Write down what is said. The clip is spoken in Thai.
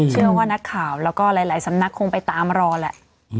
เชื่อว่านักข่าวแล้วก็หลายสำนักคงไปตามรอแหละ